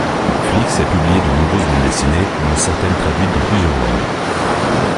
Flix a publié de nombreuses bandes dessinées, dont certaines traduites dans plusieurs langues.